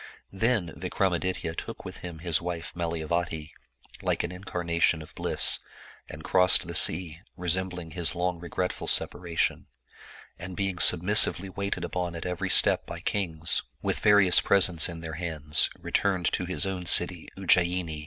Then Vikramaditya took with him his wife Malaya vati, like an incarnation of bliss, and crossed the sea resem bling his long regretful separation, and being submissively waited upon at every step by kings, with various presents in their hands, returned to his own city Ujjayini.